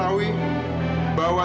bahwa cinta saya cuma satu